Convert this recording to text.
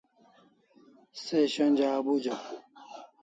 Se shonja abujaw